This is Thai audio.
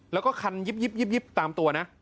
แล้วก็คันยิบตามตัวนะ